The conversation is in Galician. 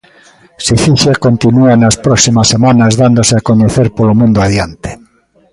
Sicixia continúa nas próximas semanas dándose a coñecer polo mundo adiante.